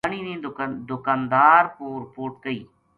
دھیانی نے دکاندار پو رپوٹ کی